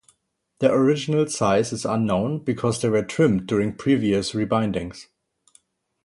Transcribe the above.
Their original size is unknown because they were trimmed during previous rebindings.